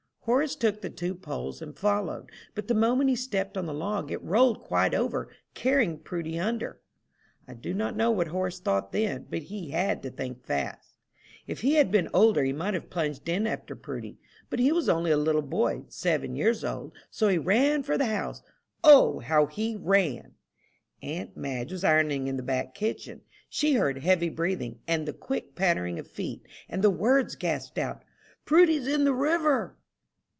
Horace took the two poles and followed; but the moment he stepped on the log it rolled quite over, carrying Prudy under. I do not know what Horace thought then, but he had to think fast. If he had been older he might have plunged in after Prudy, but he was only a little boy, seven years old, so he ran for the house. O, how he ran! Aunt Madge was ironing in the back kitchen. She heard heavy breathing, and the quick pattering of feet, and the words gasped out, "Prudy's in the river!"